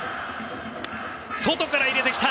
外から入れてきた！